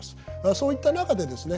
そういった中でですね